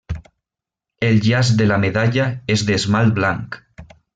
El llaç de la medalla és d'esmalt blanc.